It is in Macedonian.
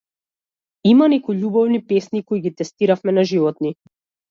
Има некои љубовни песни кои ги тестиравме на животни.